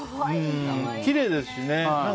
きれいですしね。